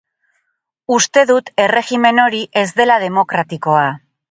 Uste dut erregimen hori ez dela demokratikoa.